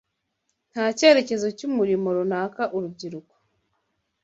Nta cyerekezo cy’umurimo runaka urubyiruko